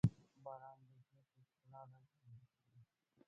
باران د ځمکې ښکلا راژوندي کوي.